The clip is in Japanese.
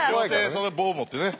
その棒持ってね。